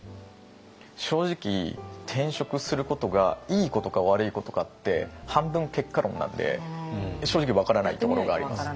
正直転職することがいいことか悪いことかって半分結果論なんで正直分からないところがあります。